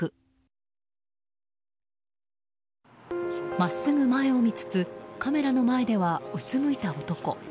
真っすぐ前を見つつカメラの前ではうつむいた男。